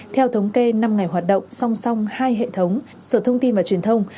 theo thống kê năm ngày hoạt động song song hai hệ thống sở thông tin và truyền thông